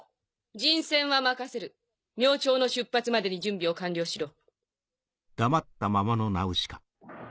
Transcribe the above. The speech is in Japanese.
人選は任せる明朝の出発までに準備を完了しろ。